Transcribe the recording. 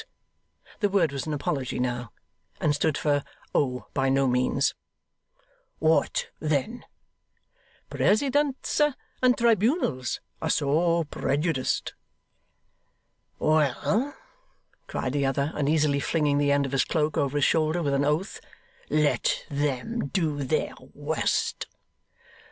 The word was an apology now, and stood for 'Oh, by no means!' 'What then?' 'Presidents and tribunals are so prejudiced.' 'Well,' cried the other, uneasily flinging the end of his cloak over his shoulder with an oath, 'let them do their worst!